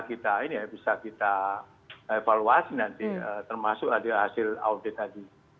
kita ini ya bisa kita evaluasi nanti termasuk ada hasil audit tadi